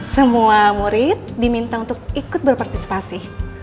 semua murid diminta untuk ikut berpartisipasi